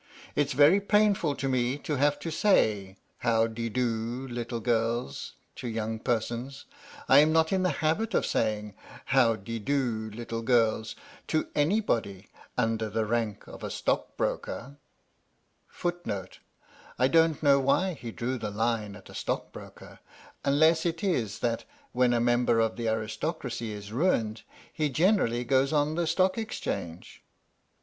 " It 's very painful to me to have to say ' How de do, little girls ' to young persons. I'm not in the habit of saying 'How de do, little girls' to anybody under the rank of a stockbroker." * Koko was distressed at Pooh Bah's evident annoy ance. * I don't know why he drew the line at a stockbroker, unless it is that when a member of the aristocracy is ruined he generally goes on the Stock Exchange.